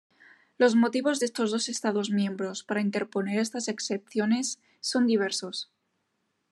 Los motivos de estos dos Estados miembros para interponer estas excepciones son diversos.